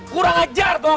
kurang ajar tau gak